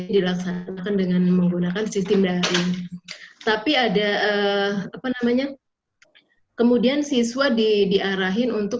dilaksanakan dengan menggunakan sistem daring tapi ada apa namanya kemudian siswa diarahin untuk